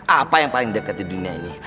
apa yang paling dekat di dunia ini